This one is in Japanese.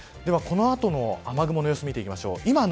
ではこの後の雨雲の様子を見ていきましょう。